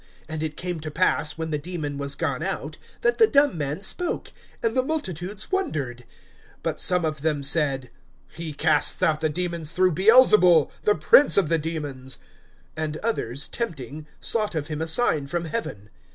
And it came to pass, when the demon was gone out, that the dumb man spoke; and the multitudes wondered. (15)But some of them said: He casts out the demons through Beelzebul, the prince of the demons. (16)And others, tempting, sought of him a sign from heaven.